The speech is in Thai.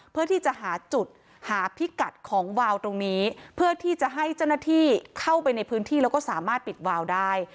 เพื่อที่จะหาจุดหาพิกัดของวาวตรงนี้เพื่อที่จะให้เจ้าหน้าที่เข้าไปในพื้นที่แล้วก็สามารถปิดวาวได้